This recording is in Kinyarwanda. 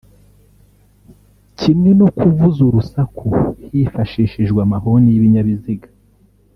Kimwe no kuvuza urusaku hifashishijwe amahoni y’ibinyabiziga